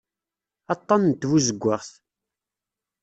Aṭṭan n tbuzeggaɣt.